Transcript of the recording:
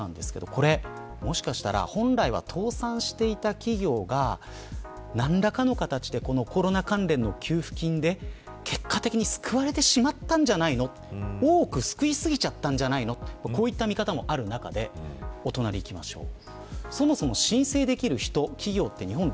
これもしかしたら、本来は倒産していた企業が何らかの形でコロナ関連の給付金で結果的に救われてしまったんじゃないの多く救い過ぎちゃったんじゃないのこういった見方もある中でお隣にいきましょう。